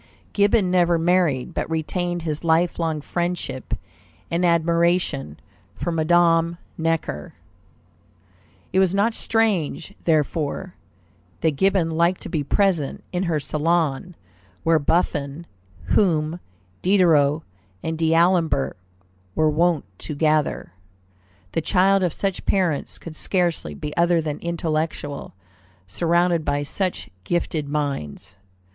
Gibbon never married, but retained his life long friendship and admiration for Madame Necker. It was not strange, therefore, that Gibbon liked to be present in her salon, where Buffon, Hume, Diderot, and D'Alembert were wont to gather. The child of such parents could scarcely be other than intellectual, surrounded by such gifted minds.